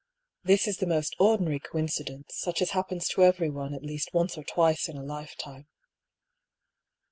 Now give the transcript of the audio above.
This is the most ordinary coincidence, such as happens to everyone at least once or twice in a lifetime."